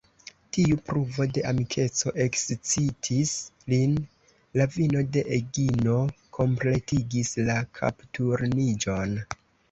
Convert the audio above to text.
Tiu pruvo de amikeco ekscitis lin: la vino de Egino kompletigis la kapturniĝon.